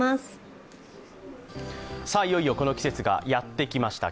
いよいよこの季節がやってきました。